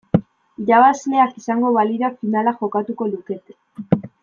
Irabazleak izango balira finala jokatuko lukete.